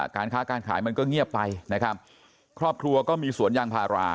การค้าการขายมันก็เงียบไปนะครับครอบครัวก็มีสวนยางพารา